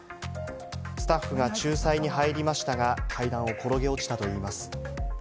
スタッフが仲裁に入りましたが、階段を転げ落ちたといいます。